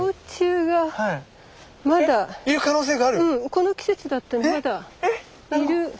この季節だったらまだいる。